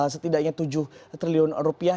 setidaknya tujuh triliun rupiah